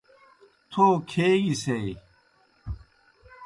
تھو کھیگیسیئی۔